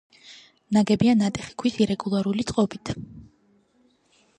ნაგებია ნატეხი ქვის ირეგულარული წყობით.